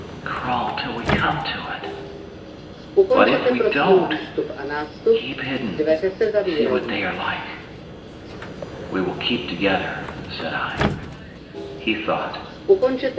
"Crawl till we come to it." "But if we don't?" "Keep hidden. See what they are like." "We will keep together," said I. He thought.